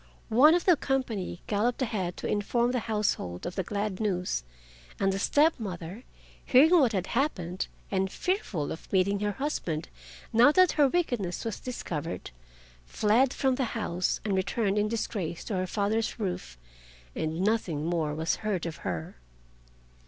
One of the company galloped ahead to inform the household of the glad news, and the step mother hearing what had happened, and fearful of meeting her husband now that her wickedness was discovered, fled from the house and returned in disgrace to her father's roof, and nothing more was heard of her.